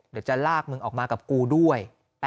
เดี๋ยวจะลากมึงออกมากับกูด้วย